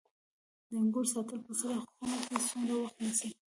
د انګورو ساتل په سړه خونه کې څومره وخت نیسي؟